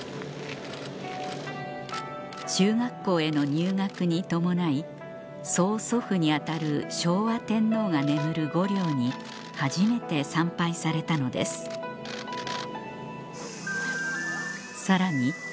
中学校への入学に伴い曽祖父に当たる昭和天皇が眠る御陵に初めて参拝されたのですさらに